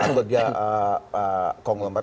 atau dia konglomer